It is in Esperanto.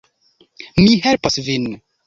Mi helpos vin